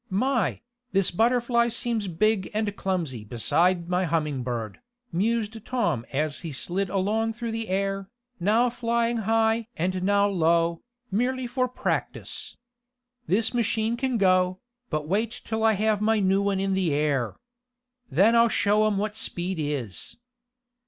"My, this Butterfly seems big and clumsy beside my Humming Bird," mused Tom as he slid along through the air, now flying high and now low, merely for practice. "This machine can go, but wait until I have my new one in the air! Then I'll show 'em what speed is!"